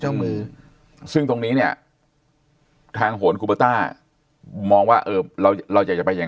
เจ้ามือซึ่งตรงนี้เนี่ยทางโหนกุปต้ามองว่าเราจะไปอย่าง